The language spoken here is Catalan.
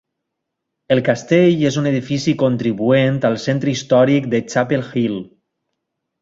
El castell és un edifici contribuent al Centre històric de Chapel Hill.